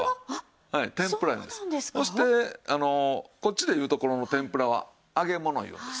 そしてこっちで言うところの天ぷらは「揚げもの」言うんです。